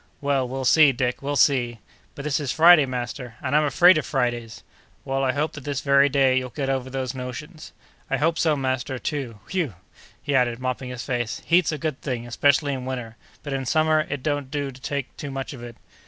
"Well, we'll see, Dick, we'll see!" "But this is Friday, master, and I'm afraid of Fridays!" "Well, I hope that this very day you'll get over those notions." "I hope so, master, too. Whew!" he added, mopping his face, "heat's a good thing, especially in winter, but in summer it don't do to take too much of it."